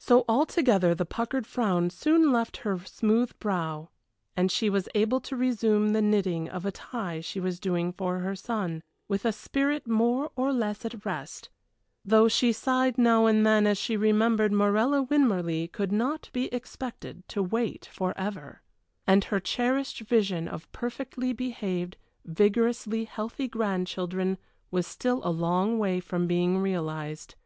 So altogether the puckered frown soon left her smooth brow, and she was able to resume the knitting of a tie she was doing for her son, with a spirit more or less at rest, though she sighed now and then as she remembered Morella Winmarleigh could not be expected to wait forever and her cherished vision of perfectly behaved, vigorously healthy grandchildren was still a long way from being realized.